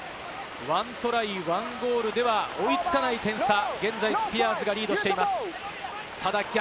１トライ１ゴールでは追いつかない点差、現在スピアーズがリードしています。